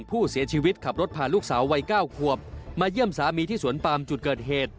ผู้เสียชีวิตขับรถพาลูกสาววัย๙ขวบมาเยี่ยมสามีที่สวนปามจุดเกิดเหตุ